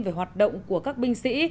về hoạt động của các binh sĩ